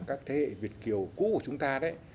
các thế hệ việt kiều cũ của chúng ta đấy